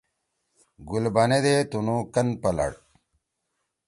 گُل بنے دے تُنُو کن پلڑ۔